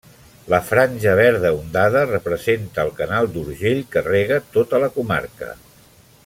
La franja verda ondada representa el Canal d'Urgell que rega tota la comarca.